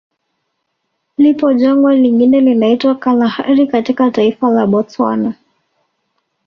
Lipo Jangwa lingine linaitwa Kalahari katika taifa la Botswana